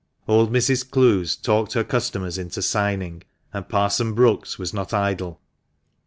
Old Mrs. Clowes talked her customers into signing, and Parson Brookes was not idle.